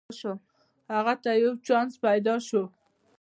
هغه ته یو چانس پیداشو